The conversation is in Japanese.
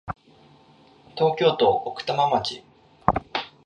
東京都奥多摩町